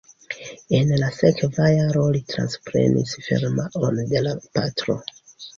En la sekva jaro li transprenis firmaon de la patro.